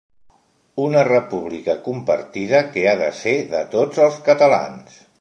Una República compartida que ha de ser de tots els catalans.